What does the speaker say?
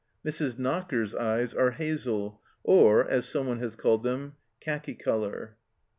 Mrs. Knocker's eyes are hazel, or, as someone has called them, " khaki colour